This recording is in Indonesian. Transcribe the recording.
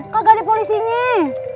kagak ada polisi nih